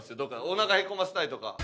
おなかへこませたいとか。